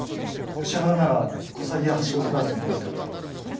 ヨシ原ならコサギやハシボソガラスもいますからね。